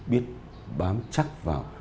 biết bám chắc vào